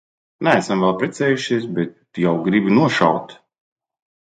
Neesam vēl precējušies, bet jau gribi nošaut?